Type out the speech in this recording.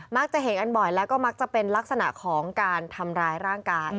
จะเห็นกันบ่อยแล้วก็มักจะเป็นลักษณะของการทำร้ายร่างกาย